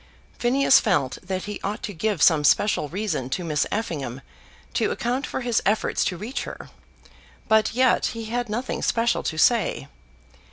Phineas felt that he ought to give some special reason to Miss Effingham to account for his efforts to reach her, but yet he had nothing special to say.